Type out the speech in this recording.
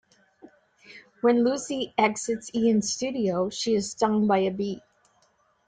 When Lucy exits Ian's studio, she is stung by a bee.